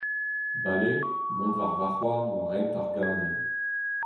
Bale, mont war varc'h-houarn war hent ar ganol…